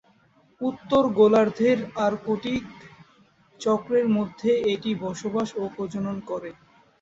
উত্তর গোলার্ধের আর্কটিক চক্রের মধ্যে এটি বসবাস ও প্রজনন করে।